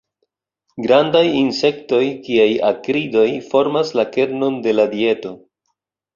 Grandaj insektoj kiaj akridoj formas la kernon de la dieto.